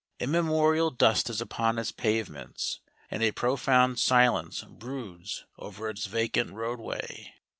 Immemorial dust is upon its pavements, and a profound silence broods over its vacant roadway.